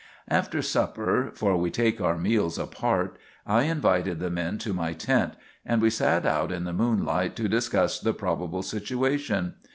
"After supper, for we take our meals apart, I invited the men to my tent, and we sat out in the moonlight to discuss the probable situation.